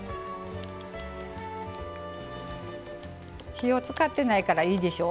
火を使ってないからいいでしょ。